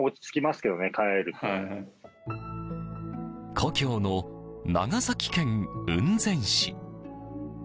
故郷の長崎県雲仙市。